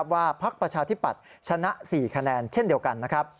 ว่าพักประชาธิปัตย์ชนะ๔คะแนนเช่นเดียวกัน